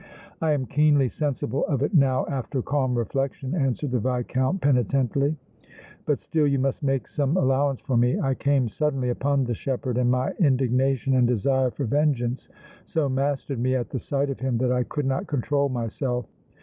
"I am keenly sensible of it now, after calm reflection," answered the Viscount, penitently. "But still you must make some allowance for me. I came suddenly upon the shepherd and my indignation and desire for vengeance so mastered me at the sight of him that I could not control myself.